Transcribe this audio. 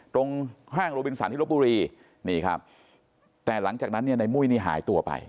ห้างโรบินสันที่ลบบุรีนี่ครับแต่หลังจากนั้นเนี่ยในมุ้ยนี่หายตัวไป